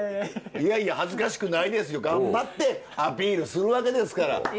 いやいや恥ずかしくないですよ頑張ってアピールするわけですから。